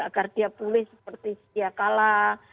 agar dia pulih seperti siakala